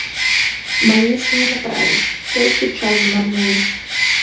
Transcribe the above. Баюся, не направяць, толькі час змарнуюць.